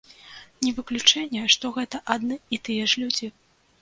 Не выключэнне, што гэта адны і тыя ж людзі.